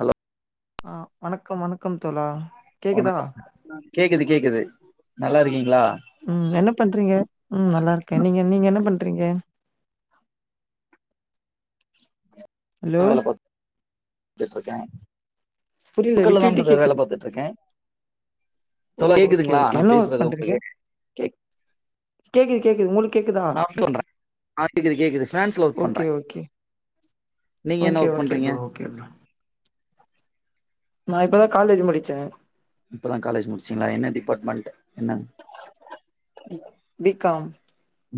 Hello ஆ வணக்கம் வணக்கம் தோழா கேக்குதா வணக்கம் கேக்குது கேக்குது நல்லா இருக்கீங்கிளா ம் என்ன பண்றீங்க ம் நல்லா இருக்கே நீங்க நீங்க என்ன பண்றீங்க ஹலோ த்துட்டுருக்க புரியல விட்டு புக்கல்லதான் விட்டு பிரதர் வேல கேக்குது பாத்துட் டுருக்கே ஓ தோழா ஓகே கேக்குதுங்களா ஓகே நா என்ன ஒர்க் பேசறது பண்றீங்க ஒங்களுக்கு கேக் கேக்குது கேக்குது உங்களுக் கேக்குதா நா பண்றே ஆ கேக்குது கேக்குது பிரான்ஸ்ல ஒர்க் ஓகே பண்றே ஓகே நீங்க என்ன ஓகே ஒர்க் ஓகே பண்றீங்க ப்ரோ ஓகே ப்ரோ நா இப்பதா காலேஜி முடிச்ச இப்பதா காலேஜி முடிச்சிங்கிளா என்ன டிபாட்மெண்ட் என்ன B B com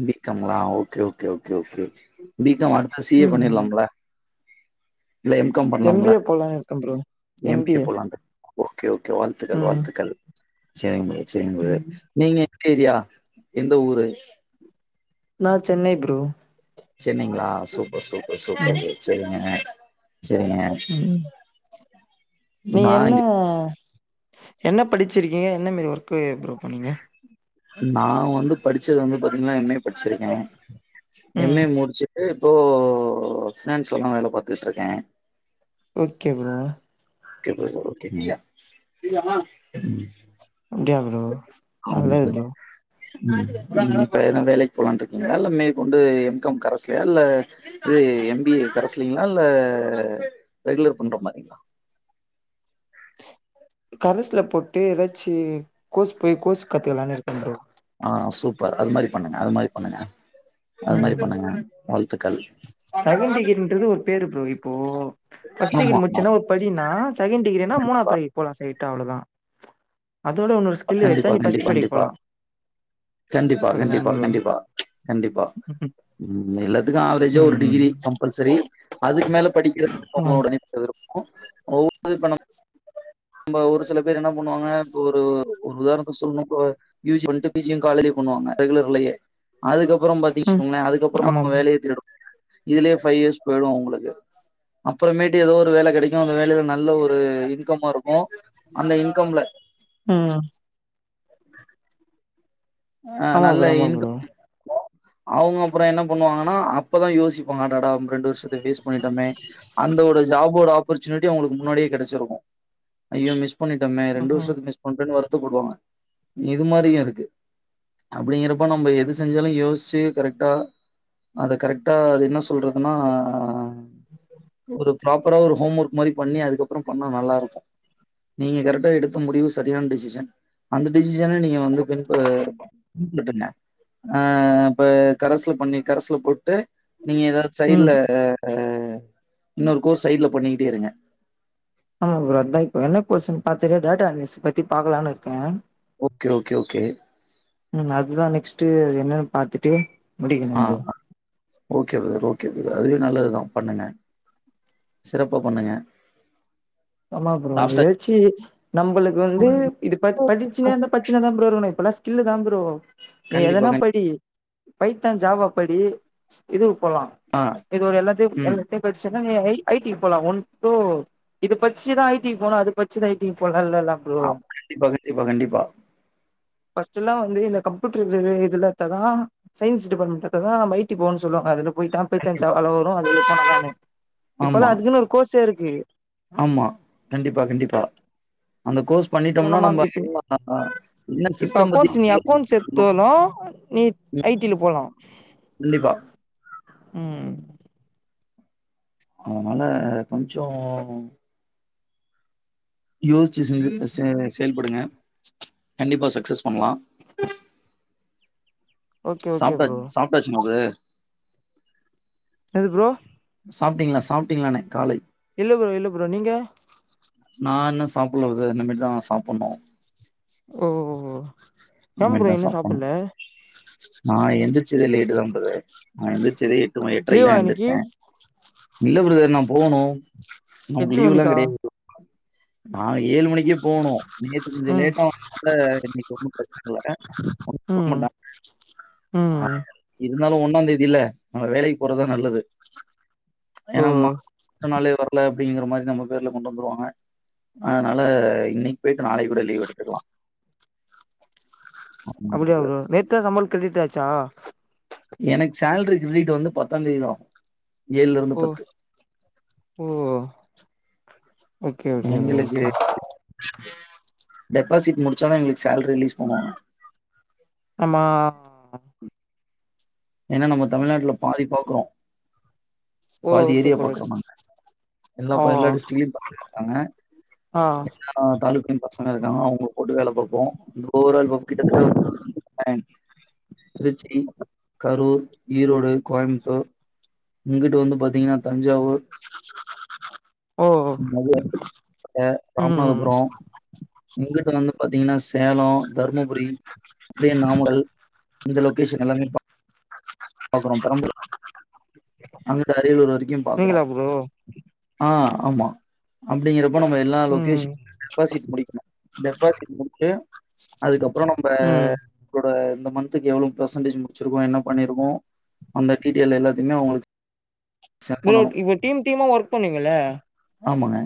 B com ங்களா okay okay okay okay B com அடுத்து சி ஏ ம் ம் பண்ணீர்லாம்ல இல்ல எம் காம் பண்ணலாம்ல போலான் இருக்கம் ப்ரோ எம் பி ஏ போலமே ஓகே ஓகே வாழ்த்துக்கள் ம் வாழ்த்துக்கள் சேரிங் ப்ரோ சேரிங் ப்ரோ ம் நீங்க எந்த ஏரியா எந்த ஊரு நா சென்னை ப்ரோ சென்னைங்ளா சூப்பர் சூப்பர் ம் சூப்பர் ப்ரோ செரிங்க அ செரிங்க ம் நீங்க நா என்ன இங்க என்ன படிச்சிருக்கீங்க என்ன மாரி ஒர்க்கு ப்ரோ போனீங்க நா வந்து படிச்சது வந்து பாத்தீங்ன்னா எம் ஏ படிச்சிருக்கே எம் ம் ஏ முடிச்சு ட்டு இப்போ ஃபினாண்ஸ்ல தா வேல பாத்துக்கிட்ருக்கே okay bro okay bro okay ம் ம் அப்டியா ப்ரோ நல்லது ப்ரோ ம் இப்ப எதனா வேலைக்கு போலான் இருக்கீங்களா இல்ல மேற்கொண்டு எம். காம் கரஸ்லயா இல்ல இது எம். பி. ஏ. கரஸ்லில்லைங்கிளா இல்ல ரெகுலர் பண்ற மாரிங்கிளா கரஸ்ல போட்டு எதாச்சி கோர்ஸ் போய் கோர்ஸ் கத்துக்கலான் இருக்க ப்ரோ ஆ சூப்பர் அது மாரி பண்ணுங்க அது மாரி பண்ணுங்க அது மாரி ம் பண்ணுங்க வாழ்த்துக்கள் செகண்ட் டிகிரின்றது ஒரு பேரு ப்ரோ இப்போ ஃபஸ்ட் ஆமா டிகிரி முட்ச்சன்னா ஒரு படினா செகண்ட் டிகிரினா ஆமா மூணாத் படிக் போலா ஸ்டெய்ட்டா அவ்ளோ தா அதோட உன்னோர் ஸ்கில்லு கண்டிப்பா வெச்சா நீ கண்டிப்பா ஃபஸ்ட் படிக் கண்டிப்பா போலா கண்டிப்பா அவ்ளோதா கண்டிப்பா ப்ரோ கண்டிப்பா கண்டிப்பா ம் எல்லாத்துக்கு ஆவ்ரேஜா ம் ஒரு ம் டிகிரி கம்பல்சரி அதுக்கு மேல படிக்கிறது ம் அவ்ங்ளோட [inaudible] [inaudible] ஒ உதவி பணம் இப்ப ஒரு சில பேர் என்னா பண்ணுவாங்க இப்ப ஒரு ஒரு உதாரணத்துக் சொல்ணு ப்ரோ யு ஜி வந்ட்டு பி ஜி யு காலேஜ்லயே பண்ணுவாங்க ரெகுலர்லயே அதுக்கப்பறோ பாத் ம் தீச்கோங்களே அதுக்கப்பறமா ஆமா அவுங்க வேலைய தேடணு இதுலயே ஃபை இயர்ஸ் போயிடு அவுங்ளுக்கு அப்பறமேட்டு எதோ ஒரு வேல கெடைக்கு அந்த வேலைல நல்ல ஒரு இன்கம்மு இருக்கு அந்த இன்கம்ல ம் ஆ ஆமா நல்ல ப்ரோ ஆமா ப்ரோ இன்கம் அவுங்க அப்பறோ என்ன பண்ணுவாங்கன்னா அப்பதா யோசிப்பாங்க அடடா ரெண்டு வர்ஷத்த வேஸ்ட் பண்ணிட்டமே அந்த ஒரு ஜாபோட ஆப் பர்ச்சுனிட்டி அவ்ங்ளுக்கு முன்னாடியே கெடச்சிருக்கு ஐய்யோ மிஸ் பண்ணிட்டமே ரெண்டு ம் வர்ஷத்த மிஸ் பண்ட்டோன் வருத்தப்படுவாங்க இது மாரியு இருக்கு அப்டிங்கிறப்ப நம்ப எது செஞ்சாலு யோஸ்ச்சு கரெக்ட்டா அது கரெக்ட்டா அது என்ன சொல்றதுன்னா ஒரு ப்ராப்பரா ஒரு ஹோம் ஒர்க் மாரி பண்ணி அதுக்கப்றோ பண்ணா நல்லாருக்கு நீங்க கரெக்டா எடுத்த முடிவு சரியான் டிசிஷன் அந்த டிசிஷன நீங்க வந்து பின் ப பின்பற்றுங்க ஆ இப்ப கரஸ்ல பண்ணி கரஸ்ல போட்டு நீங்க எதாத் ம் சைட்ல இன்னோரு கோர்ஸ் சைட்ல பண்ணிக்கிட்டே இருங்க ஆமா ப்ரோ அதா இப்ப என்ன கோர்ஸுன் பாத்துட்டு டேட்டா அனலைஸு பத்தி பாக்கலான் இருக்கே ஓகே ஓகே ஓகே ம் அதுதா நெக்ஸ்ட்டு என்னன் பாத்துட்டு முடிக்கணு ஆ bro okay brother okay brother அதுவே நல்லதுதா பண்ணுங்க சிறப்பா பண்ணுங்க ஆமா ப்ரோ சாப்ட்டா எதாச்சி நம்பளுக் வந்து இது ப படிச்சுன்னேர்ந்தா பட்ச்சின்னே தா ப்ரோ இருக்கணு இப்பல்லா ஸ்கில்லு தா ப்ரோ நீ கண்டிப்பா, எதனா கண்டிப்பா. படி பைத்தான் ஜாவா படி இதுக்கு போலா ஆ, இது ஒரு எல்லாத்தையு ம். எல்லா இப்டியே பச்சன்னா நீ ஐடிக்கு போலா ஒன் டோ இது பச்சினா ஐடி போலா அது பச்சி னா ஐடி போலால்லா இல்லல ஆ கண்டிப்பா கண்டிப்பா கண்டிப்பா பர்ஸ்ட்லா வந்து இந்த கம்ப்யூட்டர் இதுல தா எத்ததா சயின்ஸ் டிபார்ட்மெண்ட் எத்ததா நம்ம ஐடிபோ சொல்லுவங்க அதுல போய் கண்டிப்பா. [unintelligible] வேல வரு இப்பதா ஆமா, அதுக்கு இன்னு ஒரு கோசே இருக்கு ஆமா கண்டிப்பா கண்டிப்பா அந்த கோர்ஸ் சோ நம்ம வந்து இப்டி ஆ, என்ன இப்ப சிஸ்டம் பத்தி அக்கௌண்ட்ஸ் நீ அக்கௌன்ட்ஸ் தெரிஞ்சுக்கணும். எடுத்தாலும் நீ ஐ ம். டி ல போலா கண்டிப்பா ம் அதனால கொஞ்சோ யோசிச்சு சிந்தித்து செ செயல்படுங்க கண்டிப்பா சக்சஸ் பண்ணலா ஓகே ஓகே சாப்டா ப்ரோ சாப்டடாச்சுங் ப்ரதர் எது ப்ரோ சாப்பிட்டீங்களா சாப்பிட்டீங்களாணே காலை இல்ல ப்ரோ இல்ல ப்ரோ நீங்க நா இன்னு சாப்புல ப்ரதர் இனிமேட்டு தா நா சாப்பணு ஓ ஓ இனிமே தா சாப்புணு நா எந்திரச்சதே லேட்டு தா ப்ரதர் நா எந்திரச்சதே எட்டு ம எட்ரைக்கு லீவா தா இன்னைக்கு எந்தருச்சே இல்ல ப்ரதர் நா போணு நமக்கு எத்தன லீவெல்லா மணிக்கா கெடையாது நா ஏழு மணிக்கே போனு நேத்து கொஞ்சோ லேட்டா வந்தே த இன்னைக்கு ஒன்னு பிரச்சன இல்ல அ ஆமாண்டா ஆ இருந்தாலு ஒன்னா தேதில நம்ம வேலைக்கு போறதா நல்லது ஓ ஏன்னா மா அடுத்த நாளே வரு இல்ல அப்படிங்கிற மாரி நம்ம பேர்ல கொண்டு வந்துருவாங்க அதனால இன்னைக்கு போயிட்டு நாளைக்கு கூட லீவ் எடுத்துக்கலா அப்டியா ப்ரோ நேத்துதா சம்பளோ கிரெ டிட்டாச்சா எனக்கு சேலரி கிரடிட்டு வந்து பத்தா தேதிதா ஏழுல இருந்து ஓ பத்து ஓ ஓகே ஓகே ப்ரோ எங்களுக்கு ஓகே டெபாசிட் முடிச்சாதா எங்களுக்கு சேலரி ரிலீஸ் பண்ணுவாங்க ஆமா ஏன்னா நம்ம தமிழ்நாட்ல பாதி பாக்குறோ ஓ ஓகே ப்ரதர் நாங்க. எல்லா இப்ப எல்லா டிஸ்டிக்லயும் பாக்க இருக்காங்க ஆ டாலுக்குன் பசங்க இருக்காங்க அவங்கள போட்டு வேல பாப்போ ஒவர்ஆல் போ ல் கிட்டத்தட்ட [unintelligible] திருச்சி கரூர் ஈரோடு கோயம்புத்தூர் இங்குட்டு வந்து பாத்தீங்கன்னா தஞ்சாவூர் [inaudible] மதுர ம் ராமநாதபுரோ இங்கிட்டு வந்து பாத்தீங்கன்னா சேலோ தருமபுரி அப்டியே நாமகல் இந்த லொகேஷன் எல்லாமே பாத் [inaudible] அப்புறோ பெரம்பு [inaudible] அங்கிட்ட அரியலூர் வரைக்கு பாக்குறோ நீங்களா ப்ரோ ஆ ஆமா அப்டிங்கிறப்ப நம்ம எல்லா ம் லொகேஷனு டெபசிட் முடிக்கணு டெபசிட் முடிச்சு அதுக்கப்றோ நம்ம ம் ளோட இந்த மந்த்தக்கு எவ்ளோ பெர்சன்டேஜ் முடிச்சிருக்கோ என்ன பண்ணிருக்கோ அந்த டீடைல் எல்லாத்தமே அவுங்களுக்கு பிரதர் இப்ப டீம் டீமா ஒர்க் பண்ணுவீங்கள்ல ஆமாங்க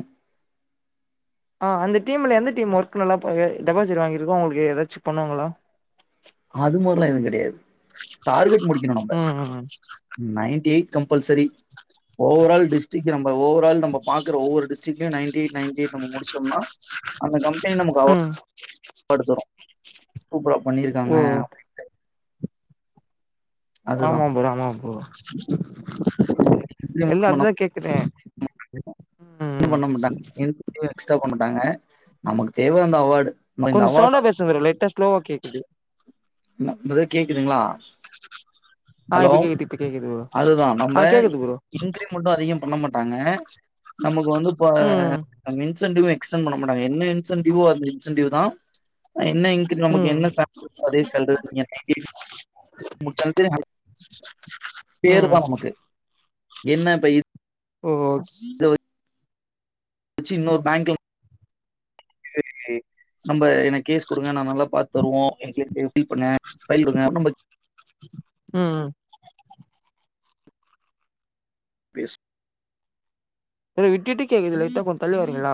ஆ அந்த டீம்ல எந்த டீம் ஒர்க் நல்லா பா டெபாசிட் வாங்கிருக்கோ அவங்களுக்கு ஏதாச்சு பண்ணுவங்களா அது மாரி எல்லா எதுவு கெடையாது டார்கெட் முடிக்கணு நம்ம ம் ninety eight compulsory overall district நம்ம ஓவரால் நம்ம பாக்குற ஒவ்வொரு டிஸ்டிக்ட் லையு நைன்டி எயிட் நைன்டி எயிட் நம்ம முடிச்சோம்னா அந்த கம்பனி நமக்கு அவார்ட் ஆ படுத்துரு சூப்பரா பண்ணிருக்காங்க ஓ ஆமா அதுதான். ப்ரோ ஆமா ப்ரோ [unintelligible] இல்ல அதுதா கேக்குறே ஒன்னு ம் பண்ண மாட்டங்க எது எக்ஸ்ட்ரா பண்ண மாட்டாங்க நமக்கு தேவ அந்த அவார்டு நம்ம இந்த கொஞ்சோ அவார்ட் சவுண்ட பேசுங்க ப்ரோ லைட்டா ஸ்லோவா கேக்குது என்ன ப்ரதர் கேக்குதுங்களா ஆ ஹலோ இப்ப கேக்குது இப்ப கேக்குது ப்ரோ அதுதா நம்ம ஆ கேக்குது ப்ரோ இன்கிரிமெண்ட்டு அதிகம் பண்ண மாட்டாங்க நமக்கு வந்து இப்ப ம் இன்சென்வ் எக்ஸ்டண் பண்ண குடுக்க மாட்டாங்க என்ன இன்சென்டிவோ அந்த இன்சென்டியூ தா என்ன இன்கி நமக்கு ம் என்ன சேல அதே சேலரி [unintelligible] பேரு தா ம் நமக்கு என்ன இப்ப இது ஓ ஓ தோ வச்சு இன்னொரு பேங்க் லோன் நம்ம எனக் கேஸ் குடுங்க நான் நல்லா பாத்து தருவோ [unintelligible] பண்ண ஃபைல் குடுங்க அப்டி நம்ம ம் ம் ஃபேஸ் ப்ரோ விட்டு விட்டு கேக்குது லைட்டா கொஞ்சோ தள்ளி வரிங்களா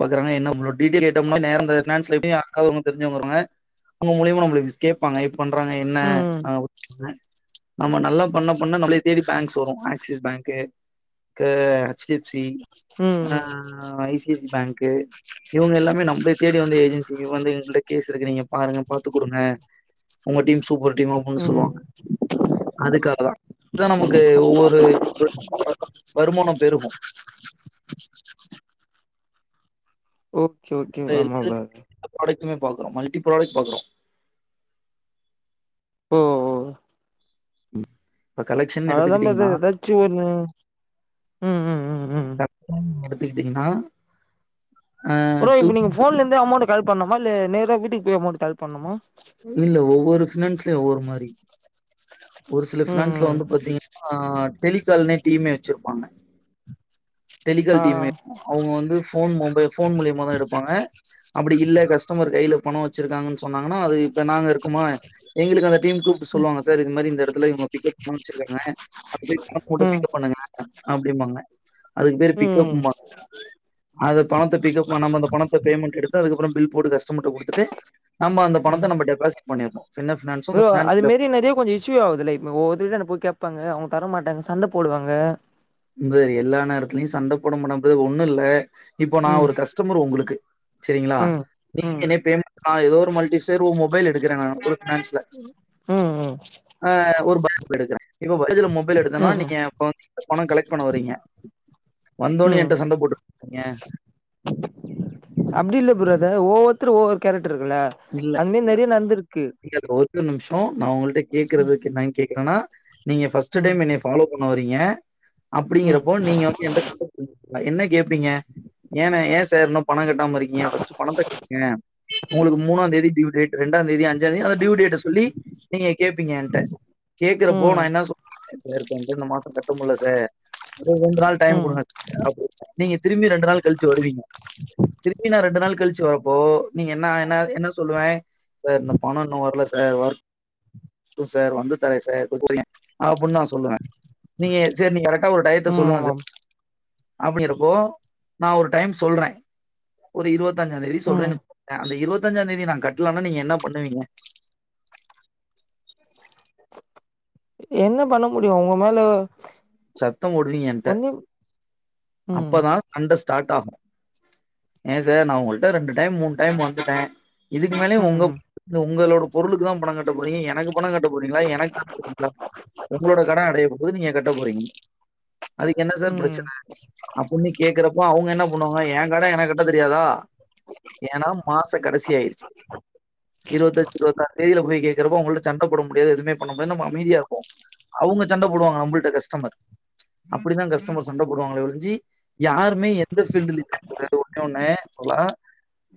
பாக்குறாங்கனா என்ன உங்களோட டிடெய்லு கேட்டோம்னா நேரா அந்த ஃபினான்ஸ் ல எப்டி அக்கா வருமோ தெரிஞ்சாவங்க வருவாங்க அவுங்க முலியமா நம்மளுக்கு கேப்பாங்க எப்டி பன்றாங்க என்ன ம் ஆமா நம்ம நல்லா பண்ண பண்ணா நம்மளே தேடி பேங்க்ஸ் வரு ஆக்சிஸ் பேங்க்கு கு ஹச் டி எஃப் சி அ ம் ஐ சி ஐ சி பேங்க்கு இவுங்க எல்லாமே நம்மல தேடி வந்து ஏஜென்சி வந்து எங்களிட்ட கேஸ் இருக்கு நீங்க பாருங்க பாத்து குடுங்க உங்க டீம் சூப்பர் டீம் ஒவ்வுனு ம் ம் சொல்லுவாங்க அதுக்காக தா அதுதா நமக்கு ஒவ்வொரு வருமானோ பெருகு ஓகே ஓகே ஆமா பிரதர் ப்ராடக்டுமே பாக்குறோ மல்டி ப்ராடக்ட் பாக்குறோ ஓ ஓ ம் அவ்ளோதா பிரதர் எதச்சு ஒன்னு ம் ம் ம் ம் நடத்துக்கிட்டீங்கன்னா ப்ரோ இப்ப நீங்க போன்ல இருந்தே அமௌண்ட் காலேட் பண்ணுமா இல்ல நேர வீட்டுக்கு போய் அமௌண்ட் காலேட் பண்ணுமா இல்ல ஒவ்வொரு பினான்ஸ்லயு ஒவ்வொரு மாரி ஒரு சில பினான்ஸ்ல ம் வந்து பாத்தீங்க ஆஹ் டெலிகால்னே டீமே வச்சிருப்பாங்க ஆ டெலிகால் டீம்மே அவுங்க வந்து போன் போன் மூலிமா தா எடுப்பாங்க அப்டி இல்ல கஸ்டமர் கையில பணம் வச்சிருக்காங்கன்னு சொன்னாங்கன்னா அது இப்ப நாங்க இருக்கோ [unintelligible] எங்களுக்கு அந்த டீம் கூப்பிட்டு சொல்லுவங்க சார் இது மாரி இந்த இடத்துல இவங்க பிக்கப் அனுப்சுருககாங்க [unintelligible] மட்ட ம் பிக்கப் பண்ணுங்க அப்டிம்பாங்க அதுக்கு பேரு பிக்கப் ம் பான்ங்க அது பணத்தை பிக்கப் பண்ணா மா நம்ம அந்த பணத்தை பேமெண்ட் எடுத்து அதுக்கப்புறோ பில் போட்டு கஸ்டமர் கிட்ட குடுத்துட்டு நம்ம அந்த ம் பணத்தை நம்ம டெபாசிட் பன்னிரணு பின் ப்ரோ அது மாரி நிறைய கொஞ்சோ ஸ் இஷயூ ஆகுதுல இதே தா கேட்பாங்க அவங்க தர மாட்டாங்க சண்ட போடுவாங்க இங்காரு எல்லா நேரத்துலயு சண்ட போட மாடது ஒண்ணு இல்ல இப்போ நா ம் ஒரு கஸ்டமர் உங்களுக்கு சரிங்களா ம் நீ ம் என் பே நா ஏதோ ஒரு மல்டிபர்ஓ மொபைல் எடுக்கிறே நா ஒரு ம் ம் ஆஹ் ஒரு பய எடுக்கறே இப்ப மொபைல் எடுத்தன்னா ம் நீங்க ம் [unintelligible] பணம் கலெக்ட் பண்ண வரீங்க வந்தோடன்னே ம் என்ட சண்ட போற்றிங்க அப்டி இல்ல பிரதர் ஒவ்வொருத்தரு ஒவ்வொரு கேரக்டர் இருக்குல்ல இல்ல அது மாரி இல்ல நெறைய நடந்திருக்கு இல்ல ப்ரோ ஓரு நிமிஷம் நா உங்களிட்ட ம் கேகறக்கு என்னு கேக்குறேன்னா நீங்க ஃபர்ஸ்டு ம் டைம் என் பாலோ பண்ண வரீங்க ம் அப்டிங்கறப்போ நீங்க வந்து எந்த என்ன கேப்பிங்க ஏன்னா ஏன் சார் இன்னு பணம் கட்டாம இருக்கீங்க ஃபர்ஸ்டு பணத்த கட்டுங்க உங்களுக்கு மூணா தேதி டியூடேட் ரெண்டாம் தேதி அஞ்சாம்ந் தேதி அந்த டியூ டேட்ட சொல்லி நீங்க கேப்பீங்க ஏண்ட கேக்குறப்போ ம் நா என்னா சொ [unintelligible] இந்த மாசோ கட்ட முட்ல சார் ஓரு ரெண்டு நாள் டைம் ம் கொடுங்க நீங்க திரும்பி ரெண்டு நாள் கழிச்சு வருவீங்க திருப்பி நா ரெண்டு நாள் கழிச்சு வரப்போ நீங்க என்ன என்ன என்ன சொல்லுவே சார் இந்த பணம் இன்னு வரல சார் ஓர்க் இல்ல சார் வந்து தர சார் அப்டின்னு நா சொல்லுவே நீங்க சேரி நீங்க கரெக்டா ஒரு டையத்தை ம் சொல்லுங்க சார் ஆமாம் அப்டிங்றபோ நா ஒரு டைம் சொல்றே ஒரு இருபத்தஞ்சாம் தேதி ம் சொல்றேன்னு அந்த இருபத்தஞ்சா தேதி நா கட்டலனா நீங்க என்ன பண்ணுவீங்க என்ன பண்ண முடியும் உங்க மேல சத்த போடுவீங்க எனட ஒன்னு ம் அப்பதா சண்ட ஸ்டார்ட் ஆகும் ஏன் சார் நான் உங்கள்ட்ட ரெண்டு டைம் மூணு டைம் வந்துட்டே இதுக்கு மேலே ம் உங்க உங்களோட பொருளுக்கு தா பணம் கட்டனு [unintelligible] எனக்கு பணம் கட்ட போறீங்கள எனக்கு தா குடுப்பிங்களா உங்களோட கடன் அடைய போது நீங்க கட்ட போறீங்க அதுக்கு என்ன சார் ம் பிரச்சன பொண்ணு கேக்குறப்போ அவங்க என்ன பண்ணுவாங்க ஏன் கடன் எனக்கு கட்ட தெரியாதா ஏன்னா மாச கடைசி ஆயிருச்சு இருப்பதஞ்சு இருபத்த ஆறு தேதியில போய் கேக்குறப்போ அவங்கள்ட்ட சண்ட போட முடியாது எதுமே பண்ண முடியாது நம்ம அமைதியா இருப்போ அவங்க சண்ட போடுவாங்க நம்மல்ட்ட கஸ்டமர் அப்டிதா கஸ்டமர் சண்ட போடுவாங்களே ஒலிஞ்சி யாருமே எந்த ஃபீல்டுலயுமே கூடாது ஒண்ணே ஒண்ணு சொல்லா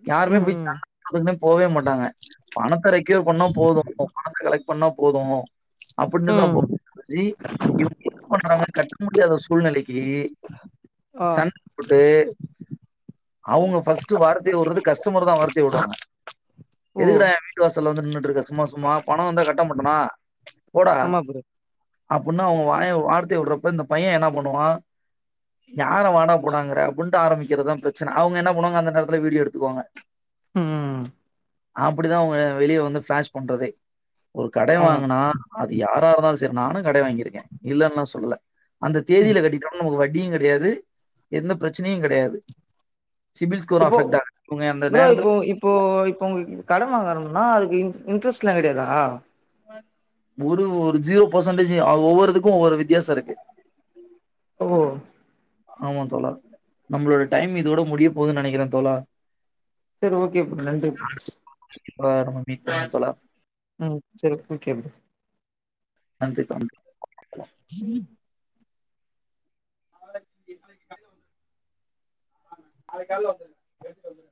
யாருமே போய் ம் சண்ட போடத போவே மாட்டாங்க பணத்த ரெக்யூர் பண்ணா போதூ பணத்த கலெக்ட் பண்ணா போதூ ம் அப்பிட்னுதா போ ம் ஜி இவங் போன மாரி கட்ட முடியாத சூழ்நிலைக்கி ஆ சண் போட்டு அவுங்க ஃபர்ஸ்ட்டு வார்த்தைய உட்றது கஸ்டமர்தா வார்த்தய உடுவாங்க ஓ எதுக்குடா ஏ வீட்டு வாசல்ல வந்து நின்னுட்ருக்க சும்மா சும்மா பணோ வந்தா கட்ட மாட்டனா போடா ஆமா ப்ரோ அப்புட்னு அவங்க வாய வார்த்தைய விடுறப்ப இந்த பையே என்ன பண்ணுவா யார வாடா போடாங்குற அப்புன்ட்டு ஆரம்பிக்கிறதா பிரச்சன அவங்க என்ன பண்ணுவாங்க அந்த நேரத்துல வீடியோ எடுத்துக்குவாங்க ம் அப்புடிதா அவங்க வெளிய வந்து ஃபிளாஷ் பண்றதே ஒரு கடைன் ஆமா வாங்குனா அது யாரா இருந்தாலு சரி நானு கடைன் வாங்கிருக்கே இல்லன்லா சொ சொல்ல அந்த ம் தேதியில கட்டிட்டம் நமக்கு வட்டியு கெடையாது எந்த பிரச்சனையு கெடையாது சிபில் ஸ்கோர் அஃபெக்டாக இவங்க அந்த நேரத்துல போ இப்போ உங்களுக்கு கடன் வாங்கணும்னா அதுக்கு இன் இன்ட்ரெஸ்ட்லா கெடையாதா ஒரு ஒரு ஜீரோ பெர்சன்டேஜு அ ஒவ்வொரிதுக்கு ஒவ்வொரு வித்தியாசோ இருக்கு ஓ ஆமா தோழா நம்மளோட டைம் இதோட முடிய போகுதுன் நெனைக்கிறே தோழா செரி ஓகே ப்ரோ நன்றி ப்ரோ [unintelligible] தோழா உம் செரி ஓகே ப்ரோ நன்றி [unintelligible] ஆ நாளைக் காலைல வந்துரு கேட்டு சொல்றே